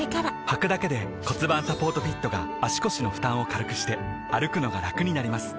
はくだけで骨盤サポートフィットが腰の負担を軽くして歩くのがラクになります